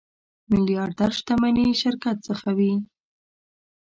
میلیاردر شتمني شرکت څخه وي.